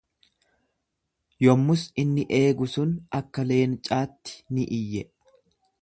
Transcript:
Yommus inni eegu sun akka leencaatti ni iyye.